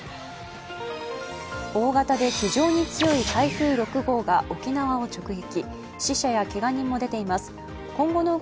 大型で非常に強い台風６号が沖縄を直撃。